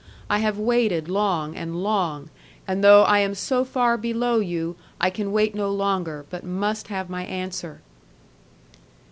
I have waited long and long; and though I am so far below you I can wait no longer; but must have my answer.'